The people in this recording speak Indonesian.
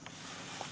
dua tiga bulan